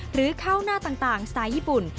หรือข้าวหน้าต่างสไตล์ญี่ปุ่น